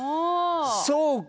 そうか！